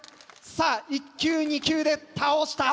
さぁ１球２球で倒した。